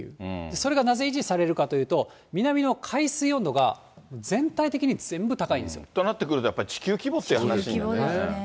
それがなぜ維持されるかというと、南の海水温度が全体的に全部高いんですよ。となってくると、地球規模ですね。